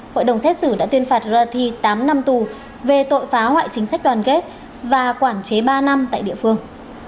hội đồng xét xử đã tuyên phạt roti tám năm tù về tội phá hoại chính sách đoàn kết và quản chế ba năm tại địa phương